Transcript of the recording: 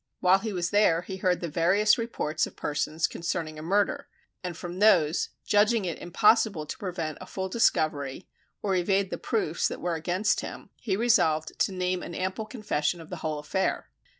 While he was there he heard the various reports of persons concerning the murder, and from those, judging it impossible to prevent a full discovery or evade the proofs that were against him, he resolved to name an ample confession of the whole affair.